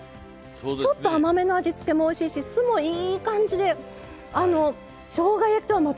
ちょっと甘めの味付けもおいしいし酢もいい感じでしょうが焼きとはまた全然違うおいしさ。